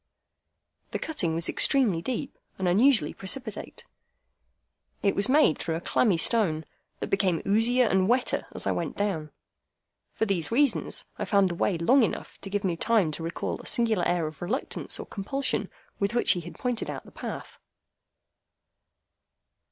The cutting was extremely deep, and unusually precipitate. It was made through a clammy stone, that became oozier and wetter as I went down. For these reasons, I found the way long enough to give me time to recall a singular air of reluctance or compulsion with which he had pointed out the path.